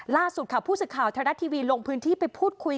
ล่าสุดค่ะผู้สื่อข่าวไทยรัฐทีวีลงพื้นที่ไปพูดคุย